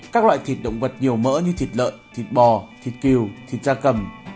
các loại thịt động vật nhiều mỡ như thịt lợn thịt bò thịt kiều thịt da cầm